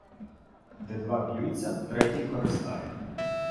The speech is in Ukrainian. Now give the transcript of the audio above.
Де два б'ються, третій користає.